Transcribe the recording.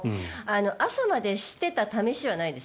朝までしていた試しはないです。